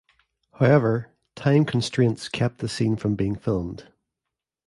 However, time constraints kept the scene from being filmed.